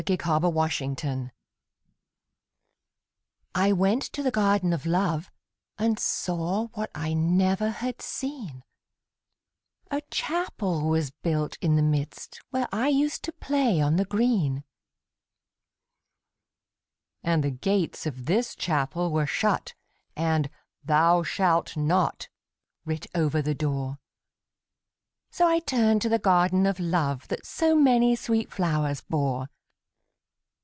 THE GARDEN OF LOVE I went to the Garden of Love, And saw what I never had seen; A Chapel was built in the midst, Where I used to play on the green. And the gates of this Chapel were shut, And 'Thou shalt not' writ over the door; So I turned to the Garden of Love That so many sweet flowers bore.